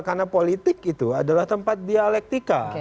karena politik itu adalah tempat dialektika